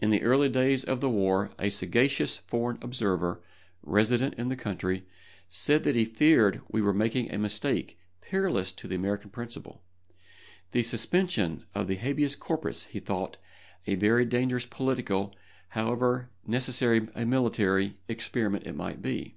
In the earlier days of the war a sagacious foreign observer, resident in the country, said that he feared we were making a mistake perilous to the American principle. The suspension of the habeas corpus he thought a very dangerous political, however necessary a military, experiment it might be.